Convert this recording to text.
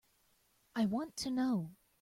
I want to know.